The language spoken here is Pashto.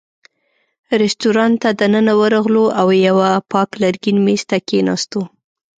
رېستورانت ته دننه ورغلو او یوه پاک لرګین مېز ته کېناستو.